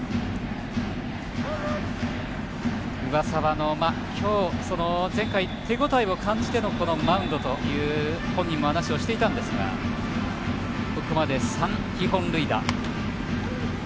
上沢、今日、前回手応えを感じてのマウンドという本人も話しをしていたんですがここまで３本塁打。